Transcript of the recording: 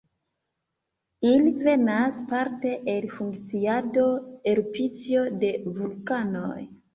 Ili venas parte el funkciado, erupcio de vulkanoj.